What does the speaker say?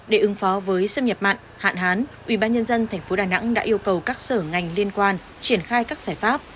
để ứng phó với xâm nhập mặn hạn hán ủy ban nhân dân thành phố đà nẵng đã yêu cầu các sở ngành liên quan triển khai các giải pháp